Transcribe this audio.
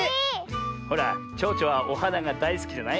ほらちょうちょはおはながだいすきじゃない？